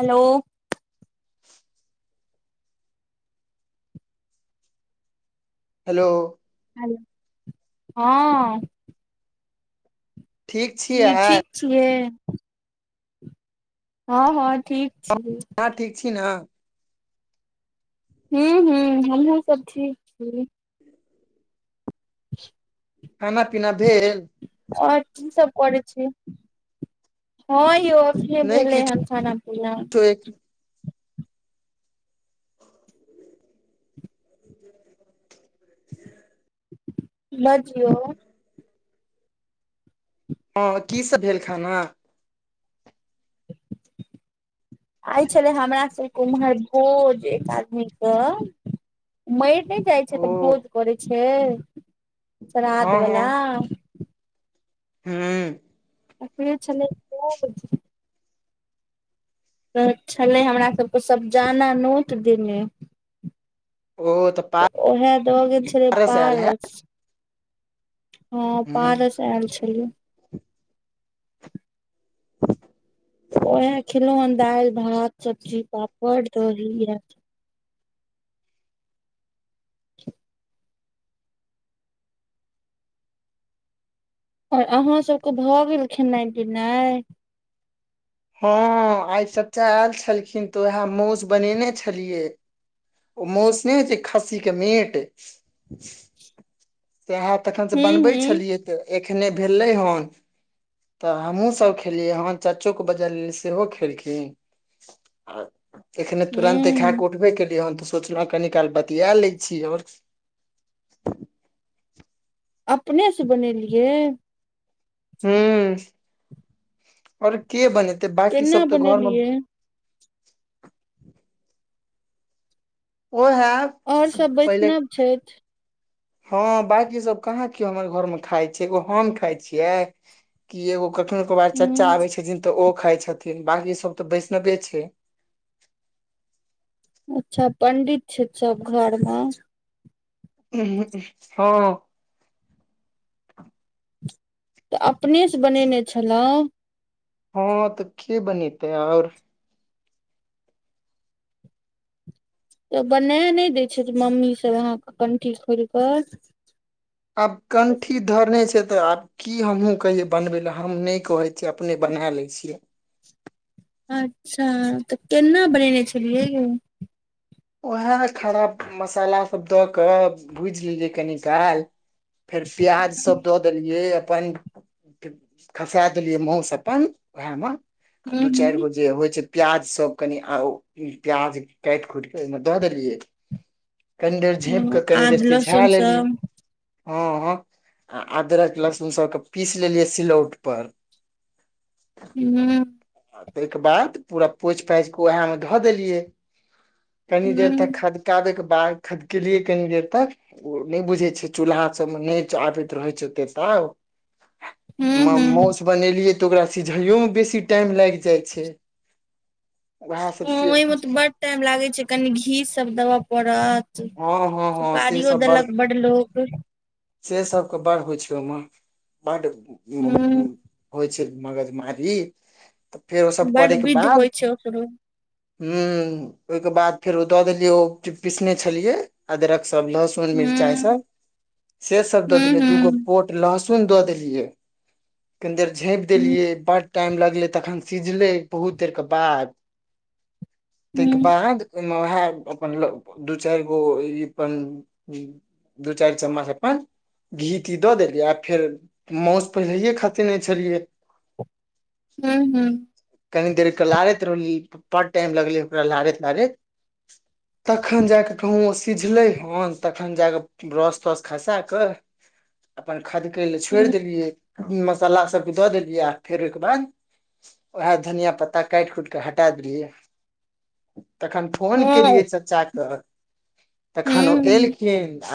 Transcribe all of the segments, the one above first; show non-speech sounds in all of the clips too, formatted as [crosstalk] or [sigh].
हलो [inaudible] hello हो ह ठीक छियै की अहाँ ठीक छियै हँ हँ ठीक छियै ह ठीक छी ना हू हूँ हमु सब ठिक छि [inaudible] खाना पीना भैल आी सब कर छै हँ यौ नहि भेलै किछु हन खाना पिना एक ह [inaudible] बजियौ हँ की सब भेल खाना आइ छले हमरा सबके उम्हर भोज एक आदमी के मरि नहि जाइ छै ओ तऽ भोज करै छै हँ श्राधवला हू तकरे छलै भोज त छलै हमरा सभके सभ जाना नोट दने ओ तऽ तऽ ओहा द गेल छलै आयल है पारस हँ पारस आयल छलियै हच [inaudible] उएह खेलहुँ हेँ दालि भात सब्जी पापड़ दही इहा [inaudible] आओर अहं सबके भऽ गेल खेनाइ पिनाइ हँ आइ चचा आयल छलखिन तऽ उएह मौस बनेने छलियए ओ मौस नहि होइ छै खस्सी के मीट सएह तखन से हूँ बनबै हूँ छलियै तऽ एखने भेलै हन तऽ हमहूँ सब खेलियै हँ चाचोके बजाय लेल सेहो खेलखिन आ एखने तुरन्त खाय हूँ कऽ उठबे केलियै हन तऽ सोचलहु कनि काल बतििया लै छी आओर अपने से बनेलियै हँ आर के बनेतै बाँकी केना सब तऽ घरमे बनेलियै ओहे और सब पहिले वैष्णव छथि हँ बाकी सब कहाँ के हमर घर मे खाय छै एगो हम खाय छियै कि एगो कखनो क बार चचा हूँ आबे छथिन तऽ ओ खााय छथिन बाक सब तऽ बैष्णवे छै अच्छा पंडित छै सब घर मे उ हँ तऽ अपनेसँ बनेने छलहुँ हँ तऽ के बनते आओर तऽ बना नहि दै छथि मम्मीसभ अहाँके कंठी खोल कऽ आब कंठी धरने छै तऽ आब की हमहूँ कहियै बनबे लए हम नहि कहै छियै अपने बना लै छियै अच्छा तऽ केना बनेने छलियै यौ उएह खराब मसालासभ दऽ कऽ भूजि लेलियै कनि काल फेर प्याज सब दऽ देलियै अपन खसै देलियै मासस अपन उएह मे आ हूँ दू चारि गो जे होय छै प्याज सब कनि प्याज काटि कुट ओहिमे दऽ देलियै कनि देर हूँ झाँप हूँ कऽ कनी आद देर सिझा लहसुन लेलियै सब हँ हँ आ अदरक लहसुन सबके पीस लेलियै सिलौट पर [inaudible] हू आ ताहिके बाद पूरा पोछि पाछि कऽ उएह मे धऽ देलिए कनी देर तक हूँ खदकाबैके बाद खदकेलिय कनी देर तक ओ नहि बुझै छै चूल्हा सबमे नहि आबैत रहै छै ओते त हूं म हूं मासु बनेलियै तऽ ओकरा सिझाइयोमे बेसी टाइम लागि जाइ छै उएह सब हँ से ओहिमे तऽ बड टाइम लागैत छै कनी घी सब देबय पङत हँ हँ हँ से सुपारी सब बड़ देलक बड लोक से सभके बड़ होइ छै ओहिमे बड हूं होइ छै मगजमारी तऽ फेर ओ सब बड करै के विध बाद होइ छै ओकरो ह ओहि के बाद फेर ओ द देलिये ओ पीसने छलिये अदरक सब लहसुन फोल मिरचाइ हूं सब से सब दऽ हूं देलियै दूगो हूं पोट लहसुन दऽ देलिऐ केन्दर झाँपि हूं देलियै बड टाइम लगले तखन सीझले बहुत देर के बाद ताहिके हूं बाद ओ उएह अपन दू चारि गो ई अपन दू चारि चमच आ घी ती दऽ देलियै आ फेर मासु पहिलेये खसे नहि छलियै [inaudible] हू हू कनी देरके लारैत रहलै बड़ टाइम लगलै ओकरा लारैत लारैत तखन जाक कहूं सिझले हन तखन जाके ब्रस तस खसा कऽ अपन खदकै लए छोड़ि हूं देलियै मसाला सबके दऽ देलियै आ फेर ओहिके बाद उएह धनिया पत्ता काटि कुटि क हटा देलियै तखन फोन हँ केलियै हूं चाचाे तखन ओ हूं एल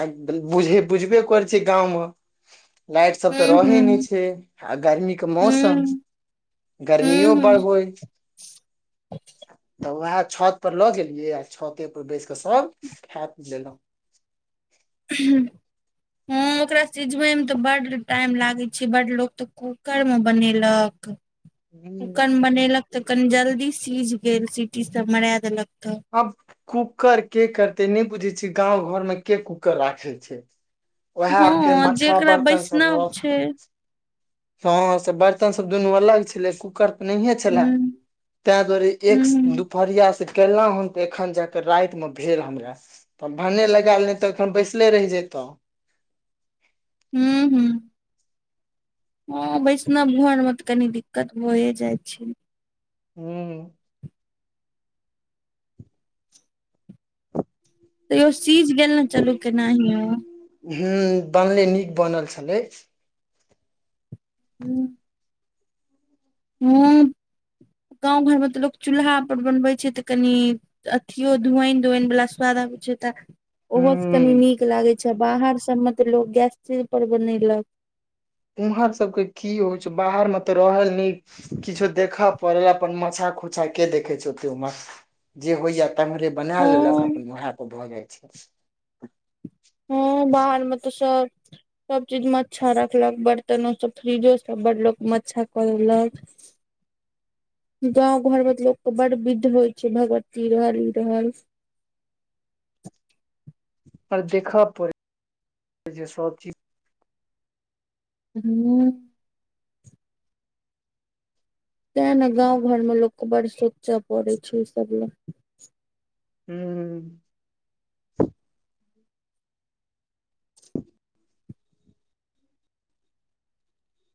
आ बुझ बुझबे कर छै गाँव मे लाइट सब तऽ हूं रहे नहि छै आ गर्मी के हूं मौसम हूं गर्मियो हूं बढ़होय तऽ उएह छत पर लऽ गेलियै आ छते पर बैस क सभ खा पी लेलहुँ हू हँ ओकरा सिझबै मे तऽ बड टाइम लागैत छै बड लोक तऽ कूकर मे बनेलक हूँ, कूकर मे बनेलक तऽ कनि जल्दी सीझ गेल सीटी सब मरा देलक तऽ आब कूकर के करते नहि बुझे छिय गाँंव घर में के कुकर राखे छै ओएह फेर हँ मच्छा जेकरा बर्तन सब वैष्णव रह छै हँ से बर्तन सब दुनू अलग छलै कूकर नहिये ह छलय तहि दुआरे ह एक प्रयास केल हन ते एखन जाके राइत में भेल हमरा तब भान् लगायल नहि तऽखन बैसले रहि जतहु हूँ हूँ वैष्णव घोर में तऽ कनी दिक्कत भए जाइ छै हूँ तैयो सीझ गेल ने चलु केनाहि हूँ बनले नीक बनल छलै हूँ हँ गाँं घरमे तऽ लोक चूल्हा परर बनबै छै तऽ कनि अथियो धुआइन धुआइन बला स्वाद आबै छै तऽ ओहोसँ कनी हूँ नीक लागैत छै बाहर सबमे तऽ लोक गैस पर बनेलक उम्हर सबके की होइ छै बाहर में तऽ रहल न किछो देखऽ पड़ल अपन मछा खोछा के देखै छै ओते में जे होइया स मरे बना हँ लेलक अपन वह पर भऽ जाइ छय हँ बाहर में तऽ सब सब चीज मच्छा राखलक बर्तनो सब फ्रीजो सब बड़ लोको मच्छा केलक गाँंव घर में लोक के बड़ विध होइ छै भगवती रहल ई रहल आ देखा प चीज हूँ तैं ने गाँंव घर मे लोकके बड़ सोचय पड़ै छै ई सब लए हूँ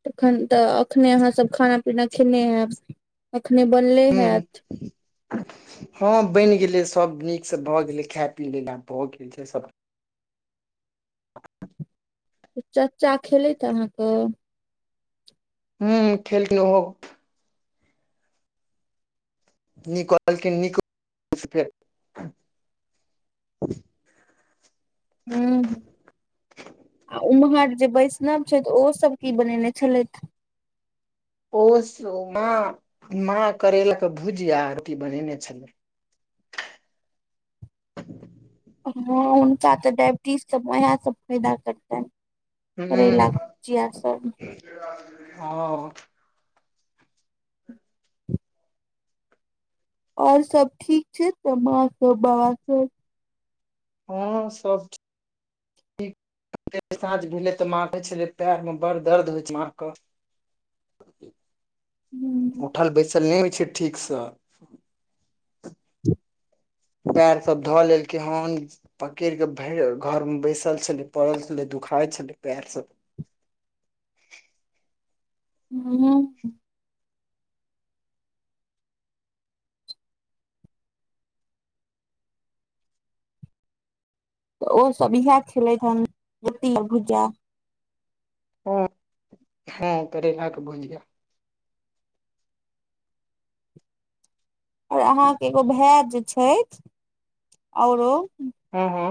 तखन तऽ अखने अहाँ सब खाना पीना खेने हयब अखने बनले हूँ हैत हँ बनि गेलै सब नीकसँ भऽ गेलै खाय पी लै ल आ भऽ गेल छै सब हं चाचा खेलैत अहाँके हूँ खेलिन ह नीक कहलखिन नीक फेर हूँ आ उम्हर जे वैष्णव छथि ओहो सब की बनेने छलथि ओ माँ माँ करेल के भुजिया री बनेने छल हँ हुनका तऽ डायबिटीजसब उएह सब फायदा करतनि रैला हूं कऽ जआ सब हँ और सब ठीक छै तऽ माँ सब बाबा सब हँ सब ठीक साँझ भेलै तऽ मारै छलै पएर में बड़ दर्द होइ छै मां क हूँ उठल बैसल नइ होइ छै ठीकसँ हं पैर सब धऽ लेलकै हन पकड़ क भऽ घर में बैसल छलै पड़ल छलै दुखाय छलै पैर सब हँ तऽ ओसब इएह खेलैत हन जोति भुजा ह ह, करेला के भूजिया आऔर अहाँकेँ एगो भाय जे छै औरो हू, हू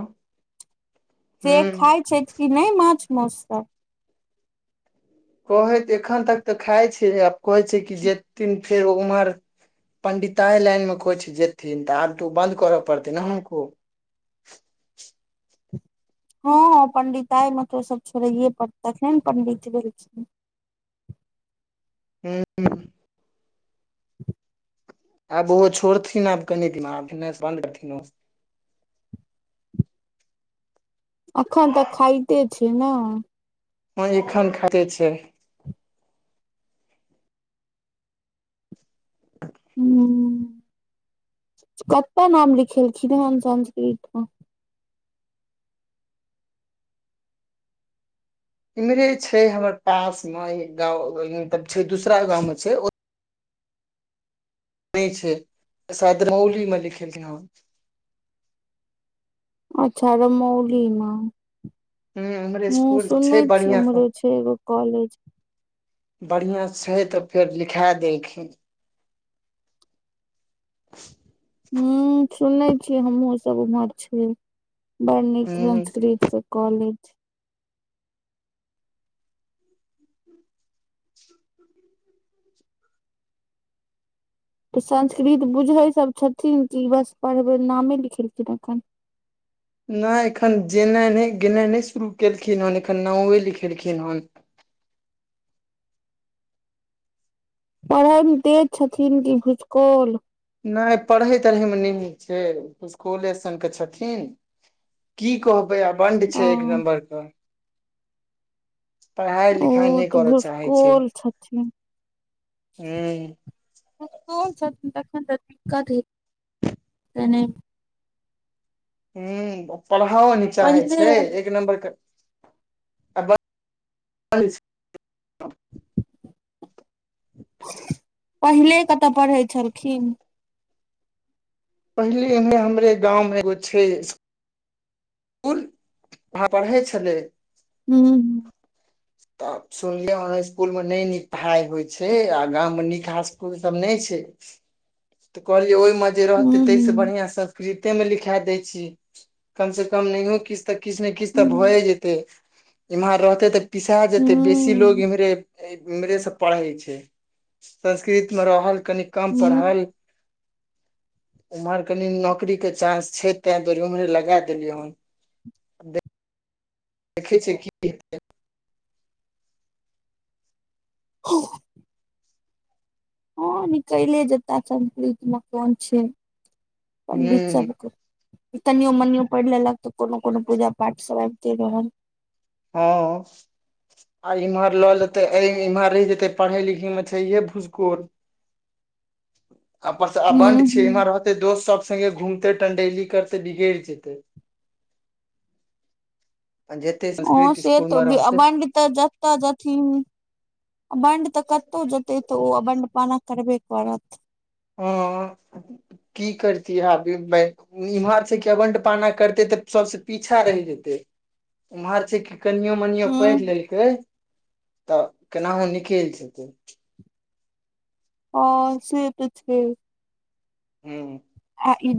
से खाय छै कि नहि माछ मांसु सभ कहै एखन तक तऽ खाइ छै आब कहै छै कि जेथिन फेर उम्हर पंडिताए लाइन मे कहै छै जेथिन तऽ आब तो बन्द करऽ पड़तै नेको हँ पंडिताइमे तऽ सभ छोड़ै पड़तनि तखने ने पंडित रहै छै हू। आब ओहो छोड़थिन आब कनि दिनमे बन्द करथिन एखन तक खाइते छै न हैं एखन खाते छै हू, कतेक नाम लिखेलखिन हेन संस्कृत मे इम्हरे छै हमर पास मे मतलब छै दूसरा गाव छै नहि छै शायद मौली मे लिखेलियै ह अच्छा आर मौली मे ह हमर हू स्कूल सुन छै छीयै बढ़िया स उम्हरे छै एगो कॉलेज बढ़िया सँ छै तऽ फेर लिखा देलखिन [inaudible] सुनले छिय हमहूँ सभ उम्हर छी बड़ नीक ह संस्कृत से कॉलेज त संस्कृत बुझै सभ छथिन कि बस पढ़बै नामे लिखेलखिन एखन नहि एखन जेनाइ नहि गेनाए नहि शुरू केलखिन हन एखन नामे लिखेलखिन हन पढ़यमे देज छथिन कि भूसकोल नहि पढ़ै तढ़ै मे नहि नीक छै भूसकौले सन के छथिन कि कहबै आबंड अ छै एक नम्बरके पढ़ाइ ओ लिखाइ नहि तऽ करय चाहै छै। भुसकोल छथिन हू। तखन तऽ दिक्कत ह हू पढ़ाओ नहि चाहै पहिले छै एक नम्बर के आ ब [unintelligible] [inaudible] पहिले कतऽ पढ़ै छलखिन? पहिले हमरे गाव मे एगो छै स्कूल पढ़ै छलै हू। ताप। सुनलियए इकूल मे नै नीक पढ़ाई होय छै आ गाव निकाकल सभ नहि छै तऽ कहल जे ओहि। जे रहते हूं ता से हूं बढ़िया संस्कृते मे लिखा देय छी कम से कम नहि कि तऽ किछु ने किछु तऽ हूं भए जेतै इम्हर रहते तऽ पिसा जेते बेसी लोग इमहरे। इम्स पढ़ै छै संस्कृत मे रहल कनि कम हूं पढ़ल उम्हर कनि नौकरी के चानस छै ते दुर उमहरे लगा देलियै हन देखै छियै कि हेतै ह। ह निकल ले जता संस्कृत मे कोन छै पण्डित हूँ च तनिए मनिए पढ़ि लेलक तऽ कोनो कोनो पूजा पाठ सब आबिते रहल हँ आ इम्हर लऽ लेते इम्हर रहि जेते पढ़े लिखे में छैये भुस्कोल आ परस हूं अबंड छै हूं इम्हर होतै दोस्त सब सगे घुमते टंडेली करते बिगड़ जेते [inaudible] जेतै हँ संस्कृति से स्कूलमे तऽ रहतै अबंड तऽ जतऽ जथिन अबंड तऽ कतौ जेतै तऽ ओ अबंड पाना करबे करत ह [inaudible] की करती अभी इम्हर छै कि अवंड पाना करते तऽ सबस पीछा रहि जेतै उम्हर छै कि कनियो मनिय हूँ पढ़ि लेलकै तऽ केनाहु निकल जेतै ह से तऽ छै [unintelligible] [unintelligible]